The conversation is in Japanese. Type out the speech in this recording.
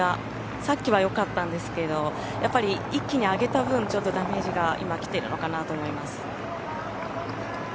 さっきはよかったんですけどやっぱり一気に上げた分ダメージが今、来てるのかなと思います。